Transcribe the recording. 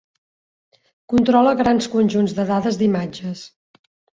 Controla grans conjunts de dades d'imatges.